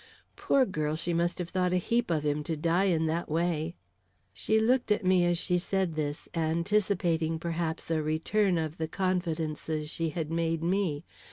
Poor girl, she must have thought a heap of him to die in that way." She looked at me as she said this, anticipating, perhaps, a return of the confidences she had made me.